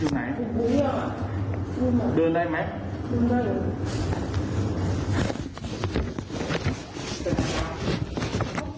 มันไม่ด่วนยังไง